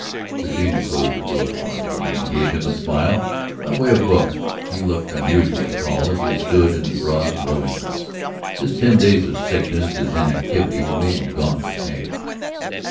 Virginia closed her book upon her knee and gave him a smile by way of welcome. He looked unusually tall as he stood in the broad, low entrance; his ten days of sickness and inactivity had made him gaunt and haggard.